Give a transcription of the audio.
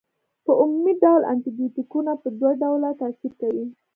په عمومي ډول انټي بیوټیکونه په دوه ډوله تاثیر کوي.